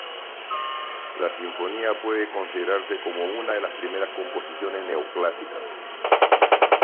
La sinfonía puede considerarse como una de las primeras composiciones neoclásicas.